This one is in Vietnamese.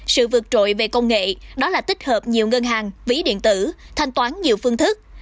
sự vượt trội về công nghệ đó là tích hợp nhiều ngân hàng ví điện tử thanh toán nhiều phương thức